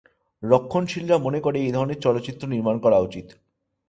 রক্ষণশীলরা মনে করে এই ধরনের চলচ্চিত্র নির্মাণ করা উচিত।